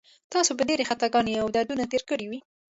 تاسو به ډېرې خطاګانې او دردونه تېر کړي وي.